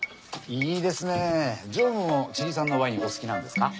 いいですねぇ常務もチリ産のワインお好きなんですか？